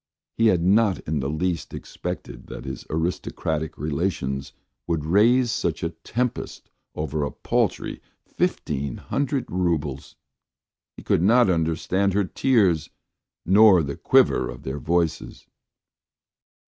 He had not in the least expected that his aristocratic relations would raise such a tempest over a paltry fifteen hundred roubles! He could not understand her tears nor the quiver of their voices.